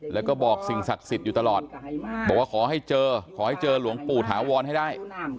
แล้วก็บอกสิ่งศักดิ์สิทธิ์อยู่ตลอดบอกว่าขอให้เจอขอให้เจอหลวงปู่ถาวรให้ได้